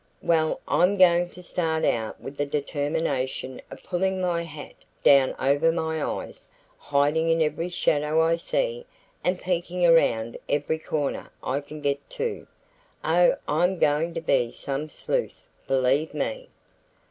"Well, I'm going to start out with the determination of pulling my hat down over my eyes, hiding in every shadow I see and peeking around every corner I can get to. Oh, I'm going to be some sleuth, believe me."